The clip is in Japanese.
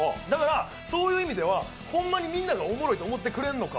そういう意味ではホンマにみんながおもろいと思ってくれるのか